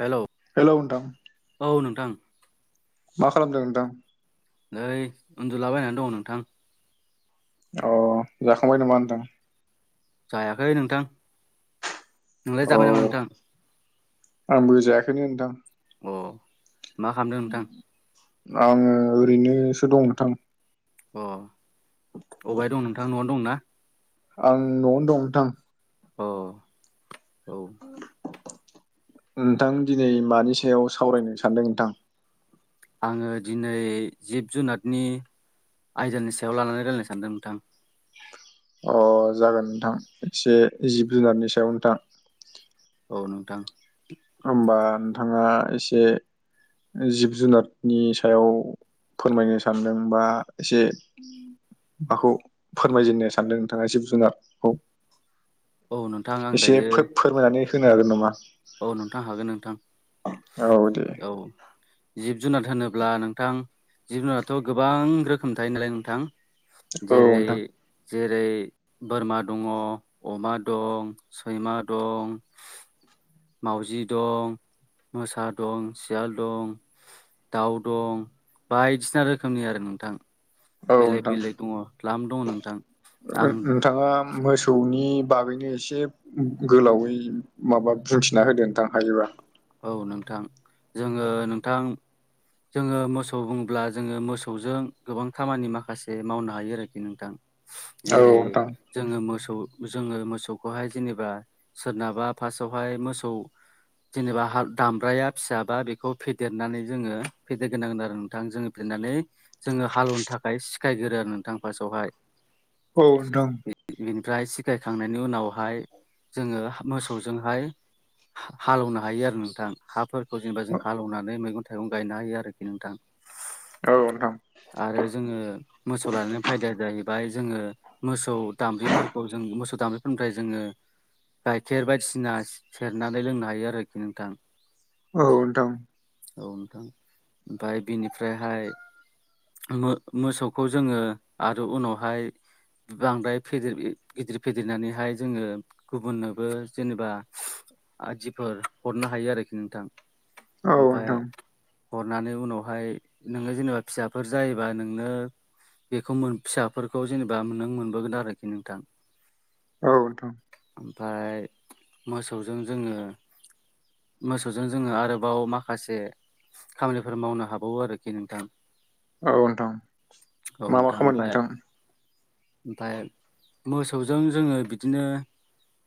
हेल' हेल'नोंथां औ नोंथां मा खालामदों नोंथां? नै उन्दुलाबायनानै दङ नोंथां अ जाखांबाय नामा नोंथां? जायाखै नोंथां नोंलाय औ जाबाय नामा नोंथां आंबो जायाखैनो नोंथां अ मा खालामदों नोंथां आङो ओरैनोसो दं नोंथां अ अबेहाय दं नोंथां न'वावनो दं ना आं न'आवनो दं नोंथां अ औ नोंथां दिनै मानि सायाव सावरायनो सानदों नोंथां आङो दिनै जिब जुनारनि आयजोानि सायाव लानानै रायनो सानदों नोंथां अ जागोन नोंथां एसे जिब जुनारनि सायाव नोंथां औ नोंथां होमबा नोंथाङा एसे जिब जुनारनि सायाव फोरमायनो सानदों बा एसे माखौ फोरमायजेननो सानदों नोंथाङा जिब जुनारखौ औ नोंथां आं एसे दायो फोरमायनानै होनो हागोन नामा औ नोंथां हागोन नोंथां औ दे औ जिब जुनार होनोब्ला नोंथां जिबुनारथ' गोबां रोखोम थायो नालाय नोंथां औ जेरै नोंथां जेरै बोरमा दङ अमा दं सैमा दं मावउजि दं मोसा दं सियाल दं दाउ दं बायदिसिना रोखोमनि आरो नोंथां औ बेलेग नोंथां बेलेग दङ लाम दङ नोंथां आं नथाङा मोसौनि बागैनो एसे गोलावै माबा बुंथिना होदों थां हायोबा औ नोंथां जोङो नोंथां जोङो मोसौ बुङ्ला जोङो मोसौजों गोबां खामानि माखासे मावनो हायो आरोखि नोंथां औ जेरै नोंथां जोङो मोसौ जोङो मोसौखौहाय जेनेबा सोरनाबा फार्स्टआवहाय मोसौ जेनेबा दामब्राया फिसाबा बेखौ फेदेरनानै जोङो फेदेरग्रोनांगोन आरो नोंथां जोङो फेेरनानै जोङो हालेवनो थाखाय सिखायगोरो आरो नोंथां फार्सेआवहाय औ नोंथां बिनिफ्राय सिगायखांनायनि उनावहाय जोङो मोसौजोंहाय हालेौनो हायो आरो नोंथां हाफोरखौ जेनेबा जों हालेवनानै मैगं थाइगं गायनो हायो आरोखि नोंथां औ नोंथां आरो जोङो मोसौ लानायानानै फायदाया जाहैबाय जोङो मोसौ दामब्रिफोरखौ जों मोसौ दामब्रिफोरनिफ्राय जोङो गाइखेर बायदिसिना सेरनानै लोंनो हायो आरोखि नोंथां औ नोंथां औ नोंथां ओमफ्राय बिनिफ्रायहाय मोसौखौ जोङो आरो उनावहाय बांद्राय फेदेर गिदिर फेदेरनानैहाय जोङो गुबुननोबो जेनेबा आदिफोर हरनो हायो आरोखि नोंथां औ ओमफ्राय हरनानै उनावहाय नोङो जेनेबा फिसा फोर जायोबा नोंनो बेखौ मोन फिसाफोरखौ जेनेबा नों मोनबोगोन आरोखि नोंथां औ नोंथां ओमफ्राय मोसौजों जोङो मोसौजों जोङो आरोबाव माखासे खामानिफोर मावनो हाबावो आरोखि नोंथां औ नोंथां औ मा मा नोंथां खामानि ओमफ्राय ओमफ्राय मोसौजों जोङो बिदिनो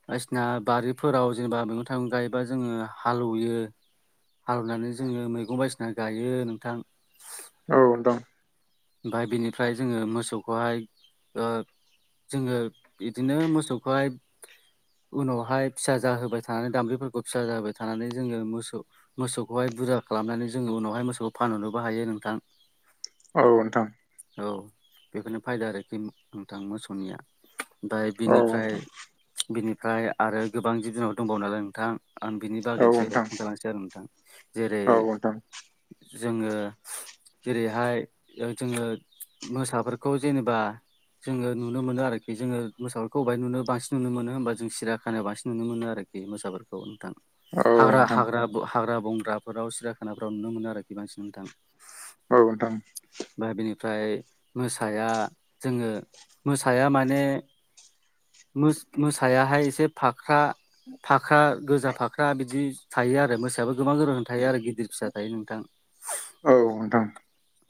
बायदिसिना बारिफोराव जेनेबा मैगं थाइगं गायोबा जोङो हालेवयो हालवनानै जोङो मैगं बायदिसिना गायो नोंथां औ दं ओमफ्राय बिनिफ्राय जोङो मोसौखौहाय ओ जोङो बिदिनो मोसौखौहाय उनावहाय फिसा जाहोबाय थानानै दाम्ब्रिफोरखौ फिसा जाहोबाय थानानै जोङो मोसौ मोसौखौहाय बुरजा खालामनानै जोङो उनावहाय मोसौखौ फानहरनोबो हायो नोंथां औ नोंथां औ बेखौनो फायदा आरोखि नोंथां मोसौनिया ओमफ्राय औ बिनिफ्राय नोंथां बिनिफ्राय आरो गोबां जिब जुनार दंबावो नालाय नोंथां आं बिनि बागै औ एसे नोंथां खोन्थालांसै आरो नोंथां जेरै औ नोंथां औ नोंथां औ नोंथां जोङो जेरैहाय जोङो मोसाफोरखौ जेनेबा जोङो नुनो मोनो आरोखि जोङो मोसाफोरखौ बहाय नुनो बांसिन नुनो मोनो होनोमबा जों सिरा खानायानो बांसिन नुनो मोनो आरोखि बे मोसाफोरखौ नोंथां औ हाग्रा नोंथां हाग्रा हाग्रा बंग्राफोराव सिराखानाफोराव नुनो मोनो आरोखि बांसिन नोंथां औ नोंथां बेनिफ्राय मोसाया जोङो मोसाया माने मोसायाहाय एसे फाख्रा फाख्रा गोजा फाख्रा बिदि थायो आरो मोसायाबो गोबां गोरों थायो आरो गिदिर फिसा थायो नोंथां औ नोंथां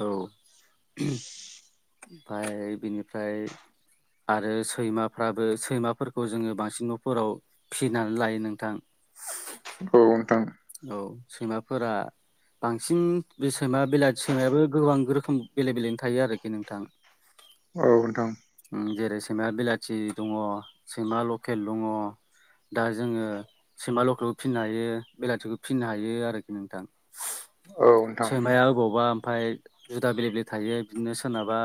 औ ओमफ्राय बेनिफ्राय आरो सैमाफ्राबो सैमाफोरखौ जोङो बांसिन न'फोराव फिसिनानै लायो नोंथां औ नोंथां औ सैमाफोरा बांसिन बे सैमा बेला सैमायाबो गोबां रोखोम बेले बेलेनो थायो आरोखि नोंथां औ नोंथां जेरै सैमा बिलाथि दङ सैमा लकेल दङ दा जोङो सैमा लखेलबो फिनो हायो बेलाथिखौ फिसिनो हायो आरोखि नोंथां सैमाया अबावबा ओमफ्राय जुदा बेलेग बेलेग थायो बिदिनो सोरनाबा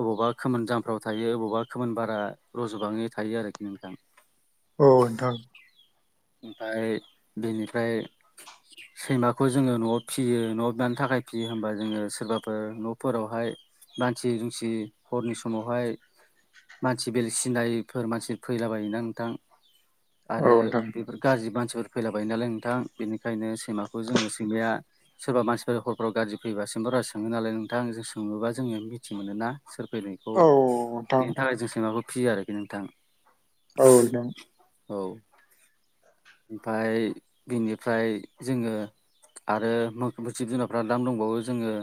अबावबा खोमोन जामफ्राव थायो अबावबा खोमोन बारा रजबाङै थायो आरोखि नोंथां औ नोंथां ओमफ्राय बेनिफ्राय सैमाखौ जोङो न'आव फिसियो न'आव मानो थाखाय फिसियो होमबा जोङो सोरबाफोर न'फोरावहाय मानसि दुमसि हरनि समावहाय मानसि बेल सिनायफोर मानसि फैलाबायोना नोंथां आरो बेफोर गाज्रि मानसिफोर फैलाबायायो नालाय नोंथां बेनिखायनो सैमाखौ जोङो सैमाया सोरबा मानसिफोर हरफोराव गाज्रि फैबासिमबो रा सङो नालाय नोंथां जों सोङोबा जोङो मिथि मोनोना सोर फैनायखौ बेनि थाखाय जों सैमाखौ फियो आरोखि नोंथां औ नोंथां औ ओमफाय बिनिफ्राय जोङो आरो जिब जुनारफ्रा दाम दंबावो जोङो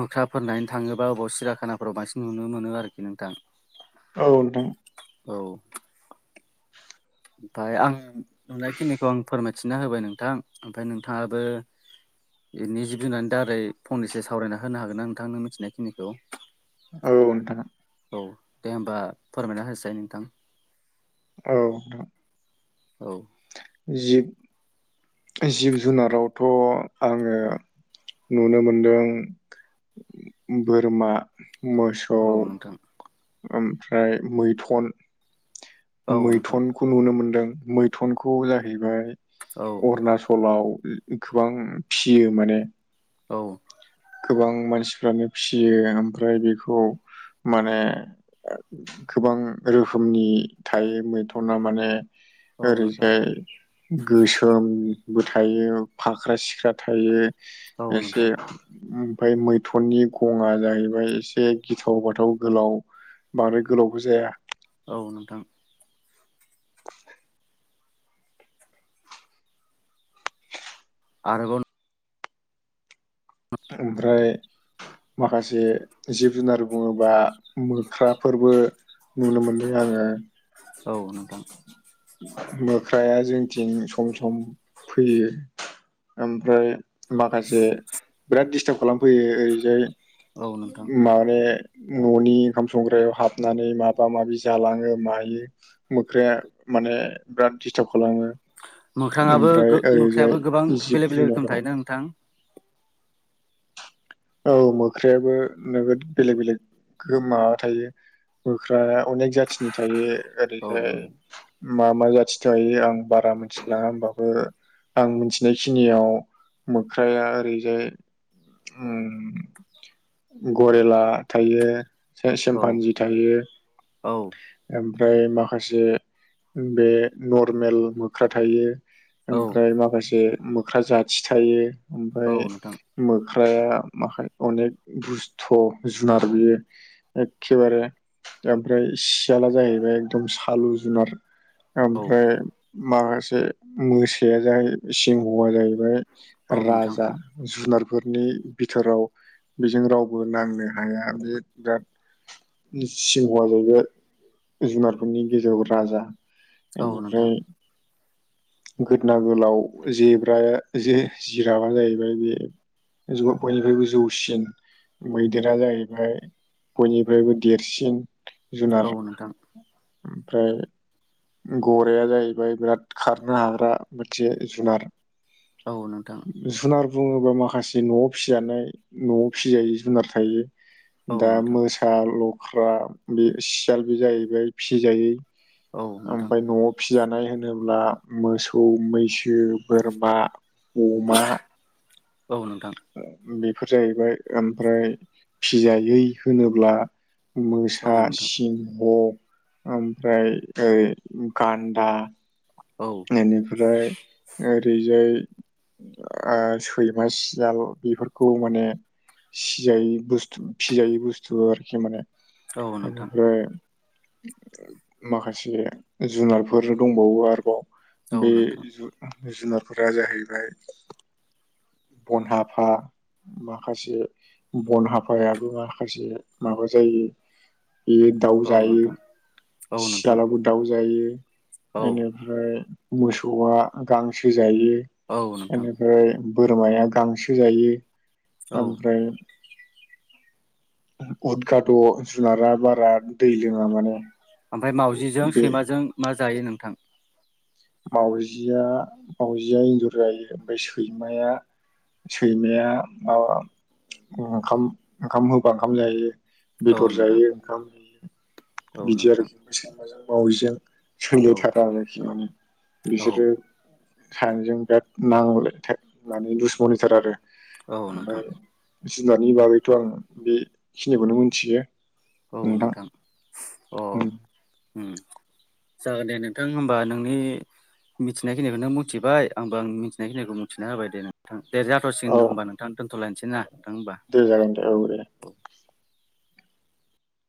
मोख्राफोर नायनो थाङोबा अबाव सिरियाखाना फोराव बांसिन नुनो मोनो आरोखि नोंथां औ नोंथां औ ओमफ्राय आं नुनायखिनिखौ आं फोरमायथिना होबाय नोंथां ओमफ्राय नोंथाङाबो बेनि जिब जनानै दारै फंनैसो सावरायना होनो हागोन ना नोंथां नों मिथिनायखिनिखौ औ नोंथां औ दे होमबा फोरमायना होनायसाय नोंथां औ नोंथां औ जिब जिब जुनारावथ आङो नुनो मोनदों बोरमा मोसौ औ नोंथां ओमफ्राय मैथन औ नोंथां मैथनखौ नुनो मोनदों मैथनखौ जाहैबाय औ अरुणाचलाव गोबां फिसियो माने औ गोबां मानसिफ्रानो फियो ओमफ्राय बेखौ माने गोबां रोखोमनि थायो मैथना माने औ नोंथां ओरैजाय गोसोमबो थायो फाख्रा सिख्रा थायो औ एसे नोंथां ओमफ्राय मैथुननि गङा जाहैबाय एसे गिथाव बाथाव गोलाव बांद्राय गोलावबो जाया औ नोंथां आरोबाव ओमफ्राय माखासे जिब-जुनार बुङोबा मोख्राफोरबो नुनो मोनदों आङो औ नोंथां मोख्राया जोंथिं सम सम फैयो ओमफ्राय माखासे बिराद दिस्टार्ब खालामफैयो ओरैजाय औ नोंथां माने न'नि ओंखाम संग्रायाव हाबनानै माबा माबि जालाङो मायो मोख्राया माने बिराद दिस्टार्ब खालामो मोख्राङाबो ओमफ्राय ओरैजाय मोख्रायाबो गोबां जिब बेलेग बेलेग रोखोम जुनाराव थायोना नोंथां औ मोख्रायाबो नोगोद बेलेग बेलेग गो माबा थायो मोख्राया अनेक जाथिनि थायो औ ओरैहाय नोंथां मा मा जाथि थायो आं बारा मिथिलाङा ओमबाबो आं मिथिनाय खिनियाव मोख्राया ओरैजाय उम गरिला थायो औ सेमफान्जि थायो औ ओमफ्राय माखासे बे नरमेल मोख्रा थायो। औ ओमफ्राय माखासे मोख्रा जाथि थायो ओमफ्राय औ नोंथां मो ख्राया माख अनेक दुस्थ' जुनार बियो एखेबारे ओमफ्राय सियाला जाहैबाय एकदम सालु जुनार औ ओमफ्राय माखासे मोसाया जाहै सिंहआ जाहैबाय नोंथां राजा जुनार फोरनि भिथोराव बेजों रावबो नांनो हाया बे बिराद सिंहआ जाहैबाय जुनारफोरनि गेजेराव राजा औ नोंथां बेनिफ्राय गोदना गोलाव जेब्राया जे जिराबा जाहैबाय बे जौ बयनिख्रुइबो जौसिन मैदेरा जाहैबाय बयनिफ्रायबो देरसिन औ जुनार नोंथां ओमफ्राय गराइआ जाहैबाय बिराद खारनो हाग्रा मोनसे जुनार औ नोंथां जुनार बुङोबा माखासे नवाव फिजानाय नवाव फिजायो जुनार थायो औ दा नोंथां मोसा लख्रा बे सियाल बे जाहैबाय फिसि जायै औ नोंथां ओमफ्राय नवाव फिजानाय होनोब्ला मोसौ मैसो बोरमा, अमा औ नोंथां बेफोर जाहैबाय ओमफ्राय फिसि जायै होनोब्ला औ मोसा नोंथां सिंह ओमफ्राय ओ गान्दा औ बेनिफ्राय ओरैजाय सैमा सियाल बेफोरखौ माने फिजायै बुस्थु फिजायै बुस्थु आरोखि माने औ नोंथां औ नोंथां बेनिफ्राय माखासे जुनारफोर दंबावो आरोबाव औ बे नोंथां जुनारफोरा जाहैबाय बनहाफा माखासे बनहाफायाबो माखासे माबा जायो बेयो दाउ औ जायो नोंथां सियालाबो दाउ जायो औ बेनिफ्राय मोसौआ गांसो जायो औ नोंथां ओमफ्राय बोरमाया गांसो जायो औ ओमफ्राय उदगाथ' जुनारा बारा दै लोङा माने ओमफ्राय मावजिजों बे सैमाजों मा जायो नोंथां मावजिया मावजिया एन्जर जायो ओमफ्राय सैमाया सैमाया माबा ओंखाम ओंखाम होबा ओंखाम जायो औ बेदर नोंथां जायो ओंखाम होयो औ बिदि नोंथां आरोखि सैमाजों मावजिजों औ सोंलायथारा आरोखि माने औ बिसोरो सानैजों बिराद नां मे लुस मनिथार आरो औ नोंथां ओमफ्राय जुनारनि बागैथ' आं बेखिनिखौनो मोनथियो औ नोंथां अ जागोन दे नोंथां होमबा नोंनि मिथिनायखिनिखौनो मिथिबाय आंबो आं मिथिनायखिनिखौ मिथिना होबाय दे दे औ जाथसिगोन होनबा नोंथां दोनथ'लायनोसै नोंथां होनबा दे जागोन दे औ दे